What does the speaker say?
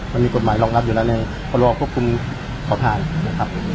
มันมีกฎหมายรองรับอยู่แล้วในพรบควบคุมขอทานนะครับ